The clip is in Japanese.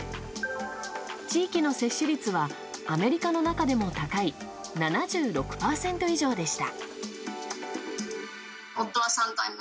地域の接種率はアメリカの中でも高い７６％以上でした。